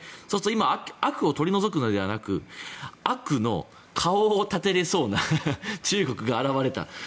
そうすると今悪を取り除くのではなく悪の顔を立てれそうな中国が現れた。